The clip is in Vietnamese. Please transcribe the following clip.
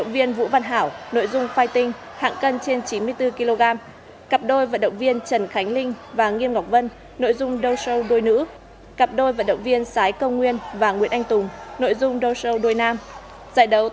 và nội dung niwazagi nogi